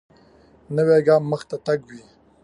نوی ګام مخته تګ وي